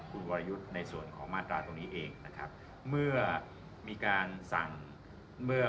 คุณวรยุทธ์ในส่วนของมาตราตรงนี้เองนะครับเมื่อมีการสั่งเมื่อ